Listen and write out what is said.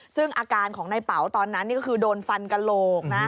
ซึ่งอาการของในเป๋าตอนนั้นนี่ก็คือโดนฟันกระโหลกนะ